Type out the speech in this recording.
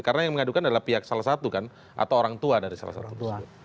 karena yang mengadukan adalah pihak salah satu kan atau orang tua dari salah satu